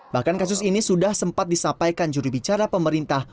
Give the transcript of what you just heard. bahkan kasus ini sudah sempat disampaikan juri bicara pemerintah